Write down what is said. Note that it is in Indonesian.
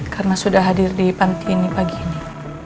karena sudah hadir di panti ini pagi ini